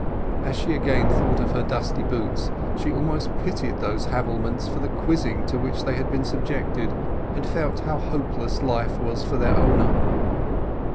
As she again thought of her dusty boots she almost pitied those habiliments for the quizzing to which they had been subjected, and felt how hopeless life was for their owner.